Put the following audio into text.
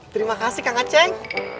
terima kasih kang aceng